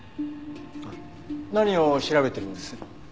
何を調べてるんです？